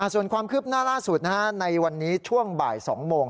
ส่วนความคืบหน้าล่าสุดในวันนี้ช่วงบ่าย๒โมง